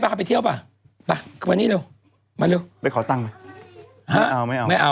ขอตังค์หน่อยขอตังค์หน่อย